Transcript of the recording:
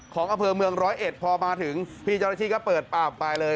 ของอำเภอเมืองร้อยเอ็ดพอมาถึงพี่เจ้าหน้าที่ก็เปิดปากไปเลย